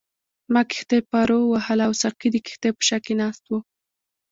ما کښتۍ پارو وهله او ساقي د کښتۍ په شا کې ناست وو.